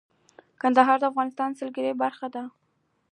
کندهار د افغانستان د سیلګرۍ برخه ده.